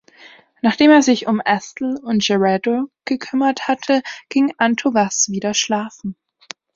Nachdem er sich um Astal und Jerado gekümmert hatte, ging Antowas wieder schlafen.